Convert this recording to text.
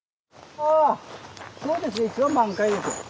あそうですね一番満開です。